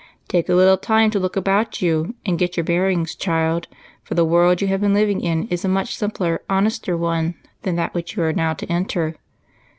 "Take a little time to look about you and get your bearings, child. The world you have been living in is a much simpler, honester one than that you are now to enter.